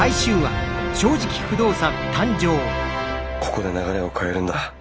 ここで流れを変えるんだ。